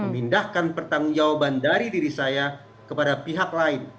mindahkan pertanggung jawaban dari diri saya kepada pihak lain